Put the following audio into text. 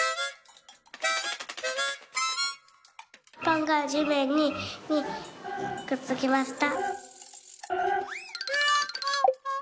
「パンがじめんにくっつきました」。